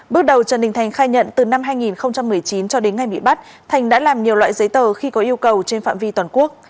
bước đầu trần đình thành khai nhận từ năm hai nghìn một mươi chín cho đến ngày bị bắt thành đã làm nhiều loại giấy tờ khi có yêu cầu trên phạm vi toàn quốc